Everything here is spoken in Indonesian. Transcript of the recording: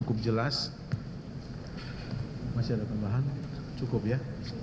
cukup jelas masih ada tambahan cukup ya